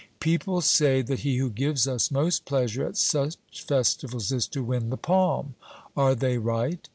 People say that he who gives us most pleasure at such festivals is to win the palm: are they right?